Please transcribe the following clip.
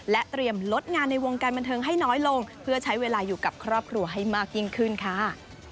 เตรียมลดงานในวงการบันเทิงให้น้อยลงเพื่อใช้เวลาอยู่กับครอบครัวให้มากยิ่งขึ้นค่ะ